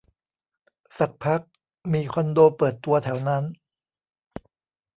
สักพักมีคอนโดเปิดตัวแถวนั้น